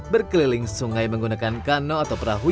berkeliling sungai menggunakan kano atau perahu